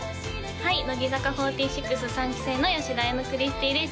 はい乃木坂４６３期生の吉田綾乃クリスティーです